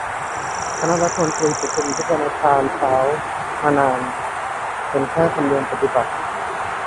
คณะรัฐมนตรี ประชุมทุกวันอังคารเช้ามานาน เป็นแค่ธรรมเนียมปฏิบัติ